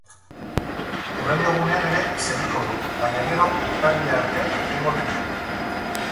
Hurrengo egunean ere segiko du baina gero urtarrilera arte etengo dute.